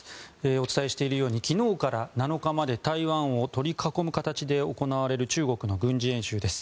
お伝えしているように昨日から７日まで台湾を取り囲む形で行われる中国の軍事演習です。